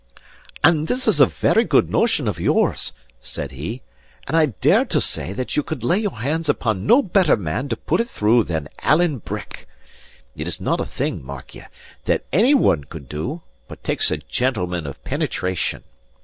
"And that is a very good notion of yours," says he; "and I dare to say that you could lay your hands upon no better man to put it through than Alan Breck. It is not a thing (mark ye) that any one could do, but takes a gentleman of penetration.